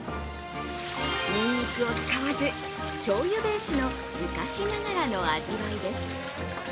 にんにくを使わず、しょうゆベースの昔ながらの味わいです。